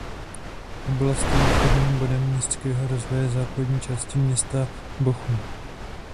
Oblast je výchozím bodem městského rozvoje západní části města Bochum.